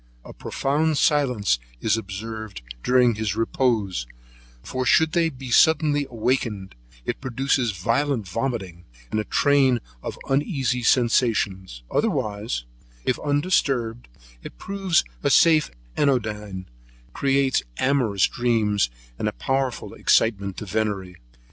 A profound silence is observed during his repose; for should they be suddenly awaked, it produces violent vomiting, and a train of uneasy sensations; but, otherwise, if undisturbed, it proves a safe anodyne, creates amorous dreams, and a powerful excitement to venery.